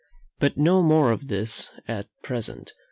But, no more of this at present.